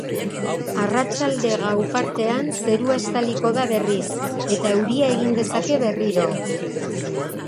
Arratsalde-gau partean zerua estaliko da berriz eta euria egin dezake berriro.